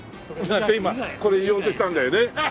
これ入れようとしたんだよね。